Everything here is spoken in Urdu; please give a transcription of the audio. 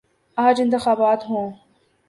آج انتخابات ہوں۔